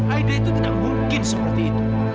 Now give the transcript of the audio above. aida itu tidak mungkin seperti itu